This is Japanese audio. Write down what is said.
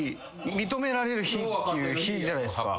認められる日っていう日じゃないですか。